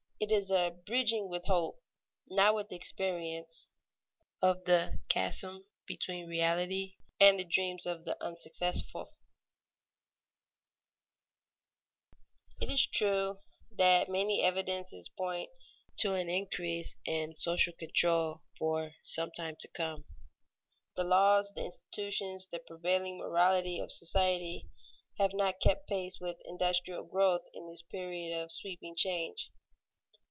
It is a bridging with hope, not with experience, of the chasm between reality and the dreams of the unsuccessful. [Sidenote: Progress of social control] [Sidenote: True Aim of social control] It is true that many evidences point to an increase in social control for some time to come. The laws, the institutions, the prevailing morality of society, have not kept pace with industrial growth in this period of sweeping change.